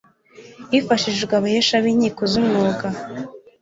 hifashishijwe abahesha b'inkiko z'umwuga